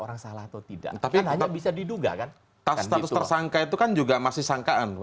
orang salah atau tidak tapi bisa diduga kan status tersangka itu kan juga masih sangkaan